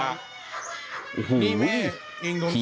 ปี฼นี้อังลุมของมานนี้